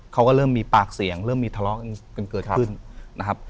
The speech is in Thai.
เขาก็เริ่มมีปากเสียงเริ่มมีทะเลาะกันเกิดขึ้นนะครับ